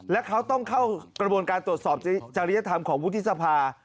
และเขาต้องเข้ากระบวนการตรวจสอบจริยธรรมของวุฒิสภา